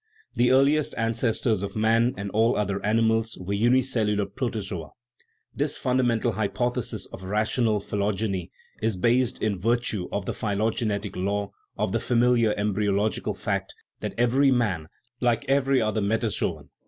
The earliest ancestors of man and all other animals were unicellular protozoa. This fun damental hypothesis of rational phylogeny is based, in virtue of the phylogenetic law, on the familiar em bryological fact that every man, like every other metazoon (i.